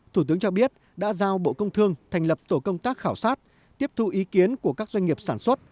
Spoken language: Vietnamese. thủ tướng cho biết đã giao bộ công thương thành lập tổ công tác khảo sát tiếp thu ý kiến của các doanh nghiệp sản xuất